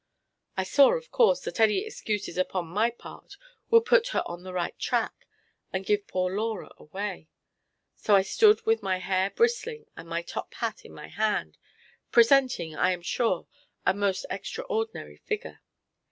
I saw, of course, that any excuses upon my part would put her on the right track and give poor Laura away; so I stood with my hair bristling and my top hat in my hand, presenting, I am sure, a most extraordinary figure.